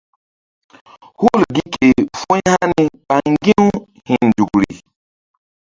Hul gi ke fu̧y hani ɓa ŋgi̧-u hi̧ nzukri.